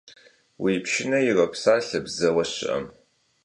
Уи пшынэр иропсалъэ бзэуэ щыӀэм.